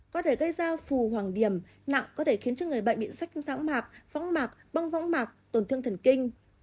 có thể gây ra phù hoàng điểm nặng có thể khiến cho người bệnh bị sách dãng mạc phóng mạc bong võng mạc tổn thương thần kinh